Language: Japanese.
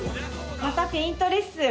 またペイントレッスン。